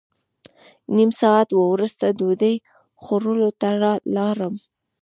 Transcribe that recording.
نیم ساعت وروسته ډوډۍ خوړلو ته لاړم.